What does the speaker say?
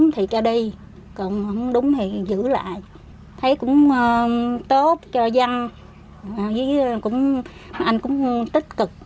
thì cho đi còn không đúng thì giữ lại thấy cũng tốt cho dân với anh cũng tích cực